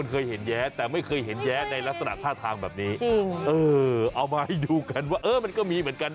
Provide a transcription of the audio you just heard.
คือเขายืนสองขาแต่เป็นสองขาข้างซ้ายเหมือนกัน